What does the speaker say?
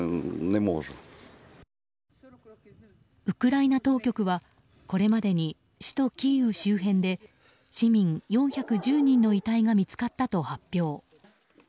ウクライナ当局はこれまでに首都キーウ周辺で市民４１０人の遺体が見つかったと発表。